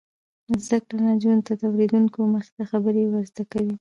زده کړه نجونو ته د اوریدونکو مخې ته خبرې ور زده کوي.